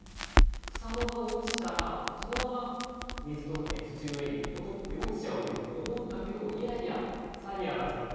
草の葉落ちたらそのまま水とか土の上にポトッて落ちちゃうように思うんだけどいやいやさにあらず。